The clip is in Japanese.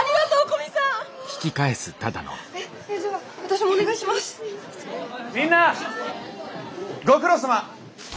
みんなご苦労さま！